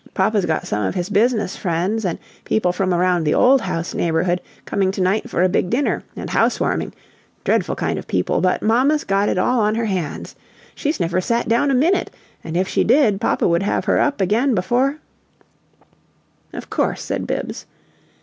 Papa's got some of his business friends and people from around the OLD house neighborhood coming to night for a big dinner and 'house warming' dreadful kind of people but mamma's got it all on her hands. She's never sat down a MINUTE; and if she did, papa would have her up again before " "Of course," said Bibbs.